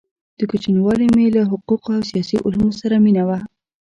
د كوچنیوالي مي له حقو قو او سیاسي علومو سره مینه وه؛